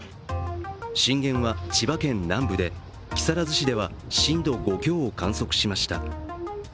震源は千葉県南部で木更津市では震度５強を観測しました。